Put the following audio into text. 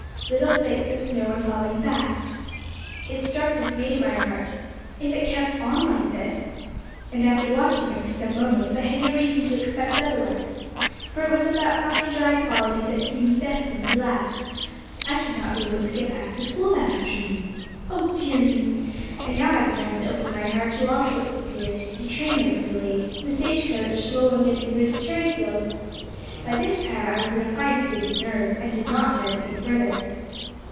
Little flakes of snow were falling fast. It struck dismay to my heart. If it kept on like this, and after watching it for some moments, I had no reason to expect otherwise, for it was of that fine, dry quality that seems destined to last, I should not be able to get back to school that afternoon. Oh dear me! And now I began to open my heart to all sorts of fears: the train might be delayed, the stagecoach slow in getting through to Cherryfield. By this time I was in a fine state of nerves, and did not dare to think further."